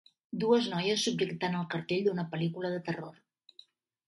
dues noies subjectant el cartell d'una pel·lícula de terror